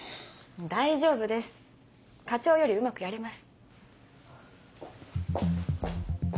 大丈夫です課長よりうまくやれます。